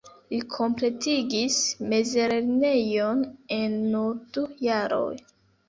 Li kompletigis mezlernejon en nur du jaroj.